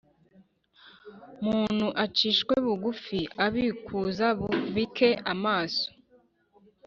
muntu acishwe bugufi, abikuza bubike amaso.